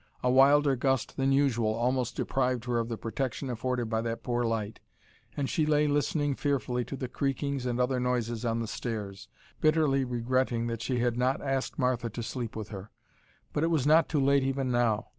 A wilder gust than usual almost deprived her of the protection afforded by that poor light, and she lay listening fearfully to the creakings and other noises on the stairs, bitterly regretting that she had not asked Martha to sleep with her. But it was not too late even now.